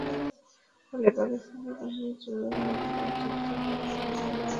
ফলে পাকিস্তানি বাহিনী যুদ্ধবন্দী হলেও ঢাকা সেনানিবাসে তাদের অবস্থান ছিল সশস্ত্র।